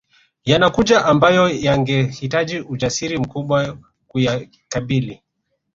Yanakuja ambayo yangehitaji ujasiri mkubwa kuyakabili